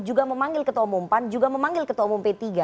juga memanggil ketua umum pan juga memanggil ketua umum p tiga